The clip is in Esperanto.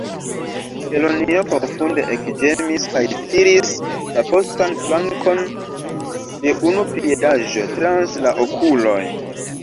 Kelonio profunde ekĝemis, kaj tiris la postan flankon de unu piedaĵo trans la okuloj.